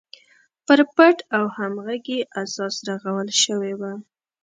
پر پټ او همغږي اساس رغول شوې وه.